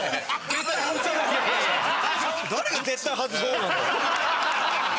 誰が絶対外す方なんだよ。